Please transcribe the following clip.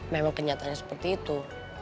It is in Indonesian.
memang kenyataannya seperti itu